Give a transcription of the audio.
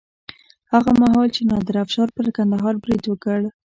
هغه مهال چې نادر افشار پر کندهار برید وکړ.